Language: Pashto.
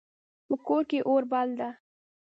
په کور کې اور بل ده